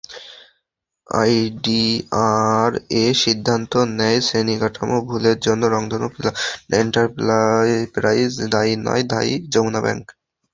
IDRA সিদ্ধান্ত নেয়, শ্রেণীকাঠামো ভুলের জন্য রংধনু এন্টারপ্রাইজ দায়ী নয়, দায়ী যমুনা ব্যাংক।